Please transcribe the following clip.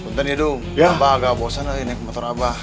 ntar ya dong abah agak bosan nih naik motor abah